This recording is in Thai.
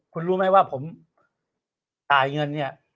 คุณรู้ไหมว่าผมจ่ายเงินเนี่ย